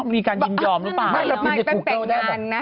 มีการยืนยอมรึเปล่า